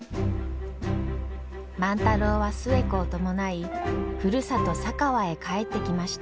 万太郎は寿恵子を伴いふるさと佐川へ帰ってきました。